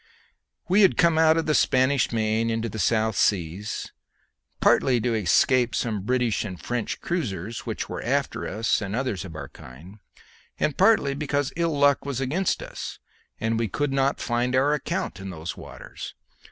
We had come out of the Spanish Main into the South Seas, partly to escape some British and French cruisers which were after us and others of our kind, and partly because ill luck was against us, and we could not find our account in those waters.